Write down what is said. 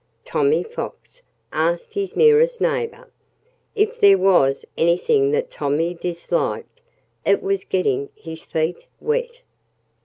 Tommy Fox asked his nearest neighbor. If there was anything that Tommy disliked, it was getting his feet wet.